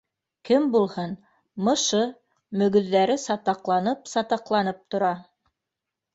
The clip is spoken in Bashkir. — Кем булһын, мышы, мөгөҙҙәре сатаҡланып-сатаҡла- нып тора